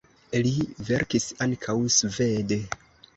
Li verkis ankaŭ svede.